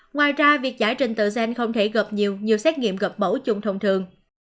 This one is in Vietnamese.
ngoài ra việc giải trình tựa sen không thể gặp nhiều như xét nghiệm gặp mẫu chung thông thường